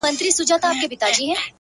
• چي د سینې پر باغ دي راسي سېلاوونه,,!